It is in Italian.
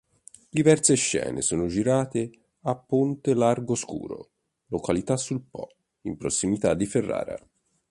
Diverse scene sono girate a Pontelagoscuro, località sul Po in prossimità di Ferrara.